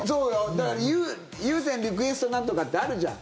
だからＵＳＥＮリクエストなんとかってあるじゃん。